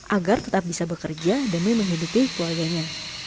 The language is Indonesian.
agar tetap bisa bekerja demi menghidupi keluarganya